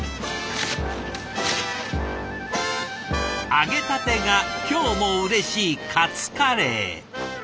揚げたてが今日もうれしいカツカレー。